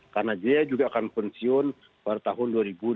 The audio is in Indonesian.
karena dia juga akan pensiun pada tahun dua ribu dua puluh dua